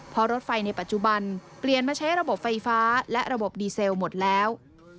เพราะรถไฟในปัจจุบันเปลี่ยนมาใช้ระบบไฟฟ้าและระบบดีเซลหมดแล้ว